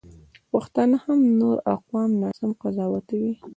پښتانه هم نور اقوام ناسم قضاوتوي.